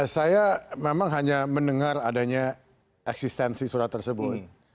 saya memang hanya mendengar adanya eksistensi surat tersebut